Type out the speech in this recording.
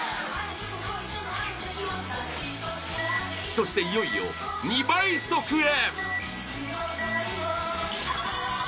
そして、いよいよ２倍速へ！